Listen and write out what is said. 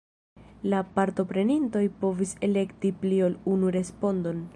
La partoprenintoj povis elekti pli ol unu respondon.